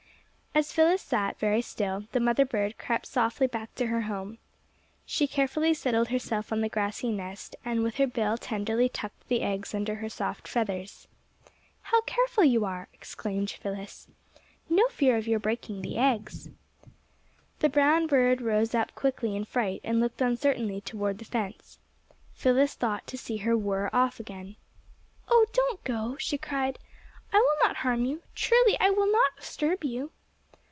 As Phyllis sat very still, the mother bird crept softly back to her home. She carefully settled herself on the grassy nest and with her bill tenderly tucked the eggs under her soft feathers. "How careful you are!" exclaimed Phyllis. "No fear of your breaking the eggs." The brown bird rose up quickly in fright and looked uncertainly toward the fence. Phyllis thought to see her whirr off again. "Oh, don't go," she cried. "I will not harm you! Truly I will not disturb you!"